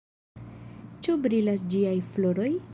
Ĉu brilas ĝiaj floroj?